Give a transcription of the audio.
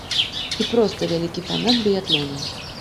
І проста вялікі фанат біятлона.